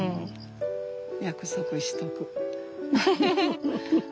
約束しとく。